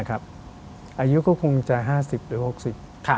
อายุก็คงจะ๕๐๖๐นาที